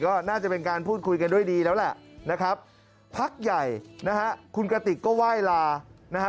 ก็น่าจะเป็นการพูดคุยกันด้วยดีแล้วแหละนะครับพักใหญ่นะฮะคุณกติกก็ไหว้ลานะฮะ